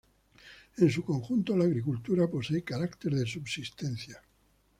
En su conjunto, la agricultura posee carácter de subsistencia.